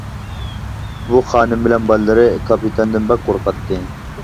بۇ خانىم بىلەن بالىلىرى كاپىتاندىن بەك قورقاتتى.